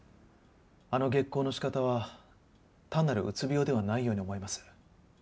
あの激高の仕方は単なるうつ病ではないように思います。